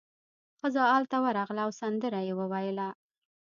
ښځه ال ته ورغله او سندره یې وویله.